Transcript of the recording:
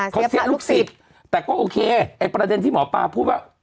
เขาเสียลูกศิษย์แต่ก็โอเคไอ้ประเด็นที่หมอปลาพูดว่า